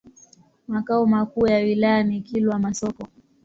Makao makuu ya wilaya ni Kilwa Masoko.